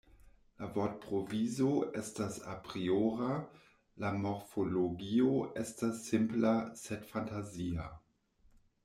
La vortprovizo estas apriora, la morfologio estas simpla sed fantazia.